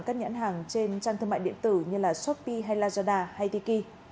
các nhãn hàng trên trang thương mại điện tử như shopee hay lazada hay tiki